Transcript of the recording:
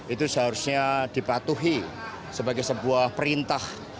itu seharusnya dipatuhi sebagai sebuah perintah